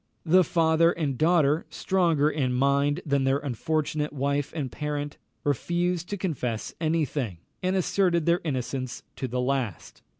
The father and daughter, stronger in mind than their unfortunate wife and parent, refused to confess any thing, and asserted their innocence to the last.